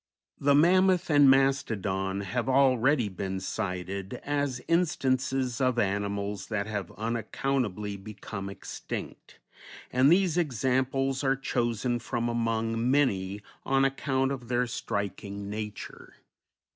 The mammoth and mastodon have already been cited as instances of animals that have unaccountably become extinct, and these examples are chosen from among many on account of their striking nature.